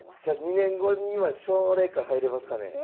じゃあ２年後には奨励会入れますかね？